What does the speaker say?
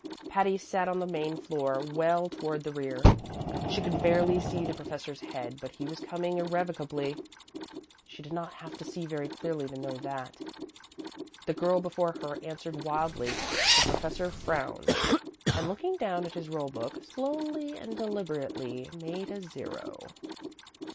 Patty sat on the main floor, well toward the rear. She could barely see the professor's head, but he was coming irrevocably. She did not have to see very clearly to know that. The girl before her answered wildly; the professor frowned, and, looking down at his roll book, slowly and deliberately made a zero.